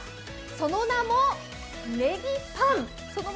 その名もネギパン。